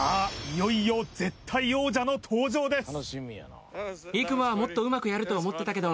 いよいよ絶対王者の登場です